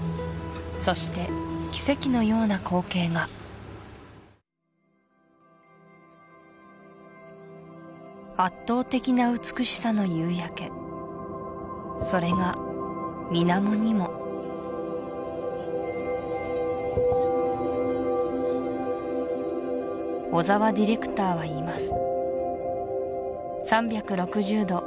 そして奇跡のような光景が圧倒的な美しさの夕焼けそれが水面にも小澤ディレクターは言います